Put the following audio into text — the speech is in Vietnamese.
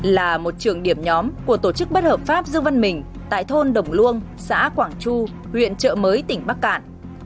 là một trường điểm nhóm của tổ chức bất hợp pháp dương văn mình tại thôn đồng luông xã quảng chu huyện trợ mới tỉnh bắc cạn